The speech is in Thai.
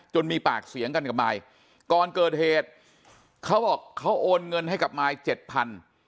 มีปากเสียงกันกับมายก่อนเกิดเหตุเขาบอกเขาโอนเงินให้กับมายเจ็ดพัน